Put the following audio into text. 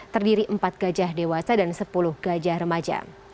terdiri empat gajah dewasa dan sepuluh gajah remaja